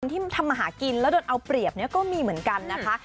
ที่ทำมาหากินแล้วโดนเอาเปรียบเนี่ยก็มีเหมือนกันนะคะ